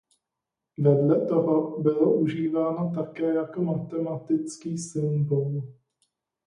Vedle toho bylo užíváno také jako matematický symbol.